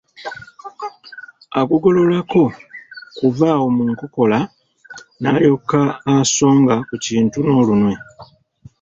Agugololako kuva awo mu nkokola nalyoka asonga ku kintu n'olunwe.